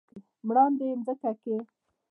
مراندې يې مځکه کې ،